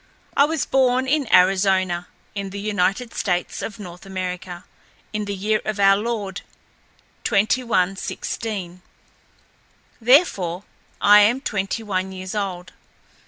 I was born in Arizona, in the United States of North America, in the year of our Lord 2116. Therefore, I am twenty one years old.